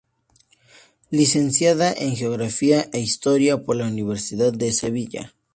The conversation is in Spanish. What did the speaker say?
Licenciada en Geografía e Historia por la Universidad de Sevilla.